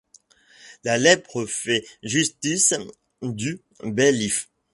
La lèpre feit iustice du baillif.